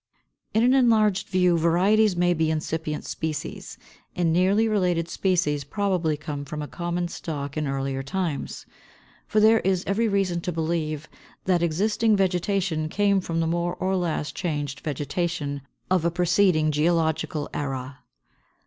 526. In an enlarged view, varieties may be incipient species; and nearly related species probably came from a common stock in earlier times. For there is every reason to believe that existing vegetation came from the more or less changed vegetation of a preceding geological era.